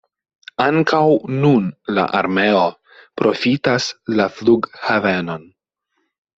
Ankaŭ nun la armeo profitas la flughavenon.